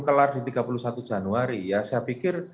kelar di tiga puluh satu januari ya saya pikir